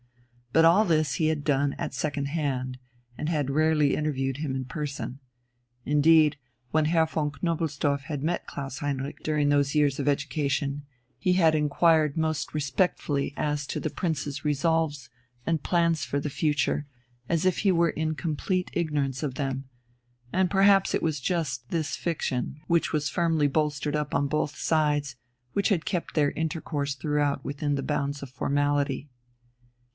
But all this he had done at second hand, and had rarely interviewed him in person. Indeed, when Herr von Knobelsdorff had met Klaus Heinrich during those years of education, he had inquired most respectfully as to the Prince's resolves and plans for the future, as if he were in complete ignorance of them; and perhaps it was just this fiction, which was firmly bolstered up on both sides, which had kept their intercourse throughout within the bounds of formality.